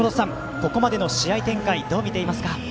ここまでの試合展開どう見ていますか。